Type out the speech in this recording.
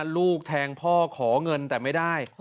ลูกแทงพ่อขอเงินแต่ไม่ได้